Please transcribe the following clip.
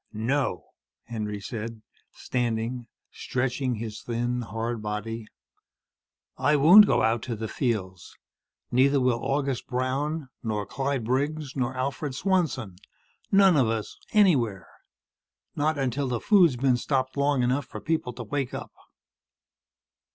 "No," Henry said, standing, stretching his thin, hard body. "I won't go out to the fields. Neither will August Brown nor Clyde Briggs nor Alfred Swanson. None of us. Anywhere. Not until the food's been stopped long enough for people to wake up."